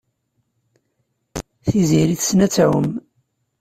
Tiziri tessen ad tɛum.